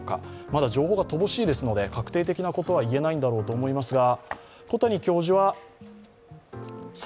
まだ情報が乏しいですので、確定的なことは言えないと思いますが。